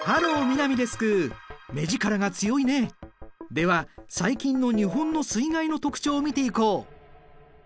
では最近の日本の水害の特徴を見ていこう。